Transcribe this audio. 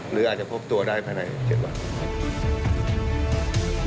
หรืออาจจะพบตัวได้ภายใน๗วัน